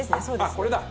あっこれだ！